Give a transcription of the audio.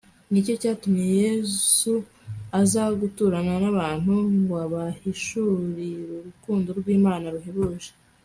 ni cyo cyatumye Yesu aza guturana nabantu ngw abahishurirurukundo rwlmana ruhebuje